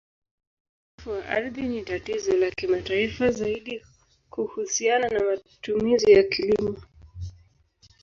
Uharibifu wa ardhi ni tatizo la kimataifa, zaidi kuhusiana na matumizi ya kilimo.